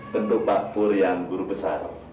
tentu pak pur yang guru besar